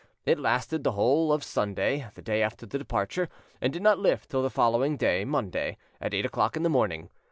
It lasted the whole of Sunday, the day after the departure, and did not lift till the following day, Monday, at eight o'clock in the morning.